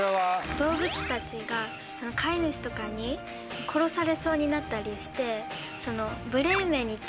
動物たちが飼い主とかに殺されそうになったりして。